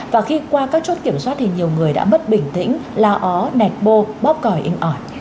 và khi qua các chốt kiểm soát thì nhiều người đã bất bình tĩnh lao ó nạch bô bóp còi in ỏi